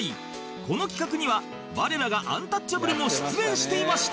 この企画には我らがアンタッチャブルも出演していました